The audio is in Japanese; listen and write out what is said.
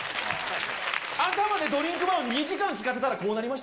朝までドリンクバーを２時間聞かせたらこうなりました。